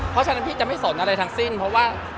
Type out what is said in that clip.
เพราะฉะนั้นพี่จะไม่สนอะไรทั้งสิ้นเพราะว่า